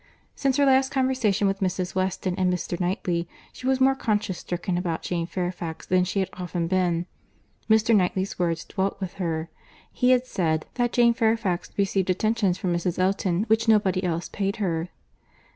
— Since her last conversation with Mrs. Weston and Mr. Knightley, she was more conscience stricken about Jane Fairfax than she had often been.—Mr. Knightley's words dwelt with her. He had said that Jane Fairfax received attentions from Mrs. Elton which nobody else paid her.